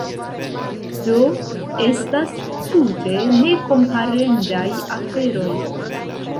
Do, estas tute nekomparendaj aferoj.